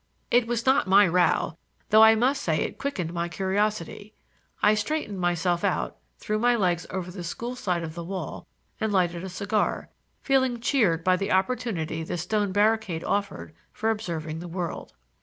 It was not my row, though I must say it quickened my curiosity. I straightened myself out, threw my legs over the school side of the wall and lighted a cigar, feeling cheered by the opportunity the stone barricade offered for observing the world.